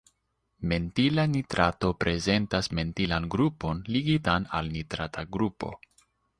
Mentila nitrato prezentas mentilan grupon ligitan al nitrata grupo.